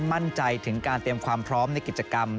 มั่นใจถึงการเตรียมความพร้อมในกิจกรรม